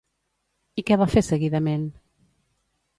I què va fer seguidament?